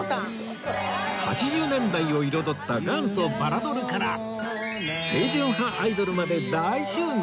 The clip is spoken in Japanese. ８０年代を彩った元祖バラドルから清純派アイドルまで大集合